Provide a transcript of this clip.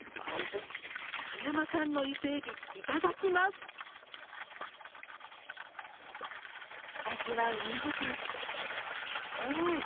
葉山産の伊勢海老いただきますうん！